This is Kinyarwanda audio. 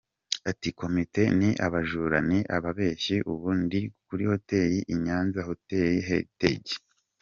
Ati" Komite ni abajura, ni ababeshyi, ubu ndi kuri Hotel I Nyanza, Hotel Heritage.